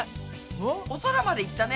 お空まで行ったね。